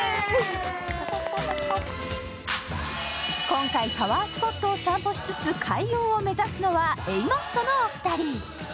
今回パワースポットを散歩しつつ海雲を目指すのはＡマッソのお二人。